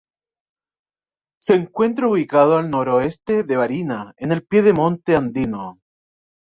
Se encuentra ubicado al noroeste de Barinas en el pie de monte andino.